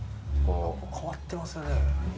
変わってますね。